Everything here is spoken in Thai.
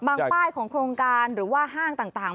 ป้ายของโครงการหรือว่าห้างต่าง